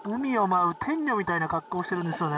みたいな格好をしてるんですよね。